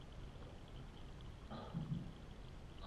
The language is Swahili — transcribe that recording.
kina asilimia thelathini ya ajira ya nchi